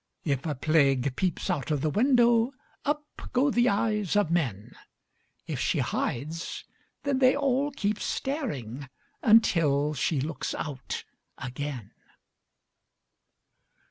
If a Plague peeps out of the window, Up go the eyes of men; If she hides, then they all keep staring Until she looks out again.